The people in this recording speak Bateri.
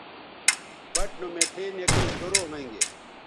بَٹ نو مٹھے نکئ شروع ھویں گے